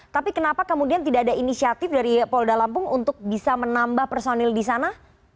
tapi kenapa kemudian tidak ada inisiatif dari polda lampung untuk bisa menambah personil di sana